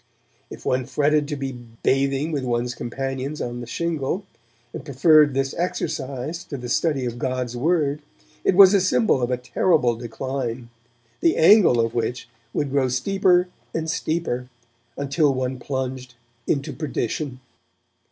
If one fretted to be bathing with one's companions on the shingle, and preferred this exercise to the study of God's Word, it was a symbol of a terrible decline, the angle of which would grow steeper and steeper, until one plunged into perdition.